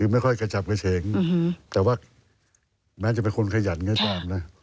ไม่ค่อยกระจับกระเฉงแต่ว่าแม้จะเป็นคนขยันก็ตามนะ